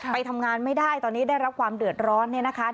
ไปทำงานไม่ได้ตอนนี้ได้รับความเดือดร้อนเนี่ยนะคะ